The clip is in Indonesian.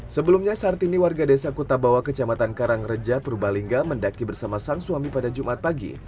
sebelumnya sartini warga desa kutabawa kecamatan karangreja purbalingga mendaki bersama sang suami pada jumat pagi